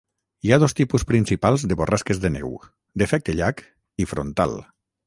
Hi ha dos tipus principals de borrasques de neu, d'efecte llac i frontal.